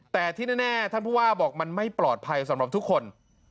แต่ที่แน่ท่านผู้ว่าบอกมันไม่ปลอดภัยสำหรับทุกคน